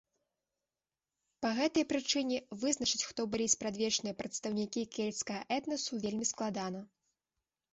Па гэтай прычыне вызначыць, хто былі спрадвечныя прадстаўнікі кельцкага этнасу вельмі складана.